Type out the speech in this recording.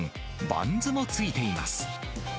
バンズもついています。